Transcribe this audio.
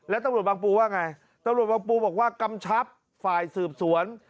แล้วตำรวจบางปูว่าไงตำรวจบางปูบอกว่ากำชับฝ่ายสืบสวน